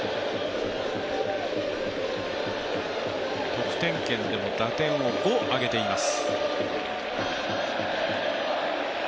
得点圏でも打点を５挙げています。